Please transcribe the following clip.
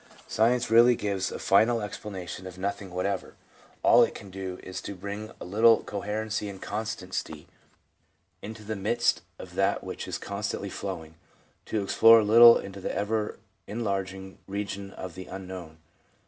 Science really gives a final explanation of nothing whatever. All it can do is to bring a little coherency and constancy into the midst of that which is constantly flowing, to explore a little into the ever enlarging region of the unknown.